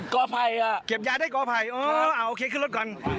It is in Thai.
กอไผ่อ่ะเก็บยาได้ก่อไผ่อเอาโอเคขึ้นรถก่อน